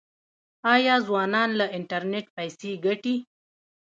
آیا ځوانان له انټرنیټ پیسې ګټي؟